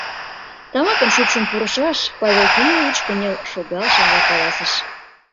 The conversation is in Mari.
— Тамакым шупшын пурышаш, — Павел Кириллович кынел шогалшыжла каласыш.